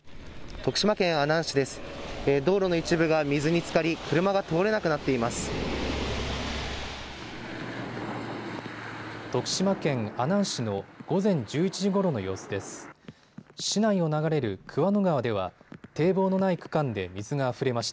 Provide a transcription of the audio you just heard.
徳島県阿南市の午前１１時ごろの様子です。